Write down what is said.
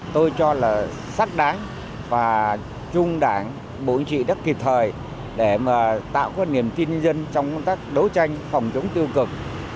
tôi cho là sắc đáng và chung đảng bộ chính trị đất kịp thời để mà tạo cái niềm tin dân trong các đấu tranh phòng chống tiêu cực